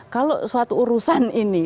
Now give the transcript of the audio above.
kalau suatu urusan ini